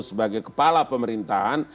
sebagai kepala pemerintahan